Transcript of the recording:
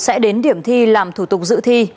sẽ đến điểm thi làm thủ tục dự thi